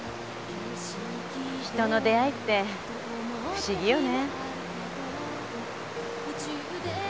人の出会いって不思議よね。